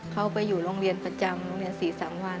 เขาไปอยู่โรงเรียนประจำโรงเรียน๔๓วัน